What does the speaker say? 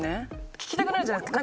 聞きたくなるじゃないですか。